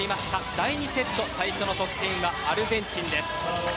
第２セット最初の得点はアルゼンチンです。